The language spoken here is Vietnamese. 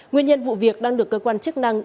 nguyên nhân vụ việc đang được cơ quan chức năng